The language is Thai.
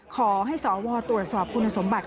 ขอให้สวตรวจสอบคุณสมบัติ